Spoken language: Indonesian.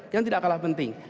yang tidak kalah penting